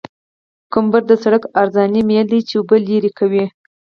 کمبر د سرک عرضاني میل دی چې اوبه لرې کوي